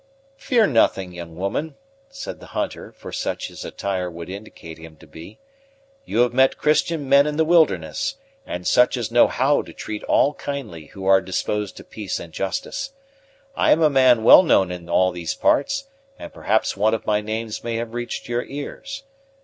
"Fear nothing, young woman," said the hunter, for such his attire would indicate him to be; "you have met Christian men in the wilderness, and such as know how to treat all kindly who are disposed to peace and justice. I am a man well known in all these parts, and perhaps one of my names may have reached your ears.